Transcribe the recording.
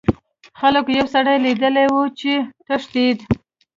خلکو یو سړی لیدلی و چې تښتیده.